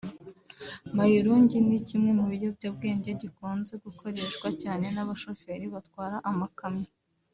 Mayirungi ni kimwe mu biyobyabwenge gikunze gukoreshwa cyane n’abashoferi batwara amakamyo